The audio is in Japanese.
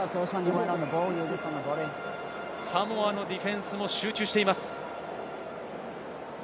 サモアのディフェンスも集中しています。